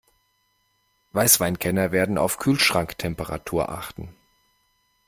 Weißweinkenner werden auf Kühlschranktemperatur achten.